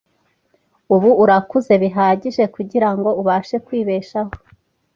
Ubu urakuze bihagije kugirango ubashe kwibeshaho .